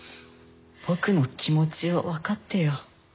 僕の気持ちを分かってよ。